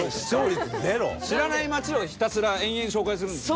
知らない街をひたすら延々紹介するんですよね？